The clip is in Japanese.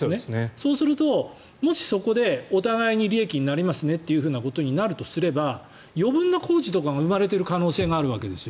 そうすると、もしそこでお互いに利益になりますねっていうことになるとすれば余分な工事とかが生まれてる可能性があるわけです。